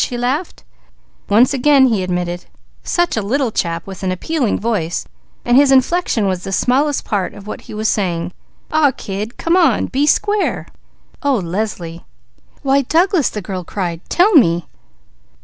she laughed. "Once again," he admitted. "Such a little chap, with an appealing voice, while his inflection was the smallest part of what he was saying. 'Aw kid, come on. Be square!' Oh Leslie!" "Why Douglas!" the girl cried. "Tell me!"